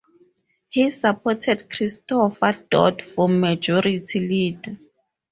He supported Christopher Dodd for majority leader.